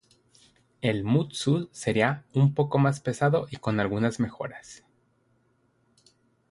El "Mutsu" sería un poco más pesado y con algunas mejoras.